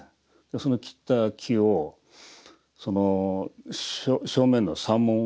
その切った木をその正面の山門がありますね。